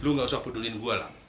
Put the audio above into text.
lo gak usah peduliin gue lam